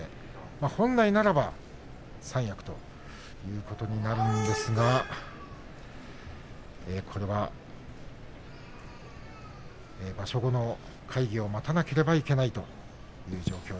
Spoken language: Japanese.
本来ならば三役ということになるんですがこれは場所後の会議を待たなければなりません。